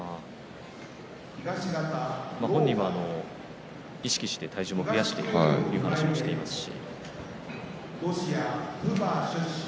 本人は意識して体重も増やしているという話もしていますし。